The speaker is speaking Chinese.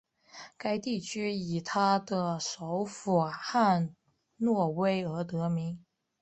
该地区以它的首府汉诺威而得名。